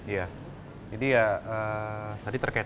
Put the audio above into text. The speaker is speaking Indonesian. jadi ya tadi terkait